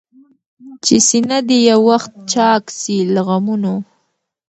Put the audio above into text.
چي سينه دي يو وخت چاك سي له غمونو؟